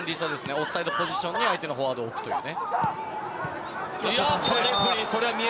オフサイドポジションに相手のフォワードを置くという。